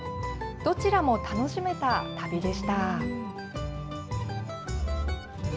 どちらも楽しめた旅でした。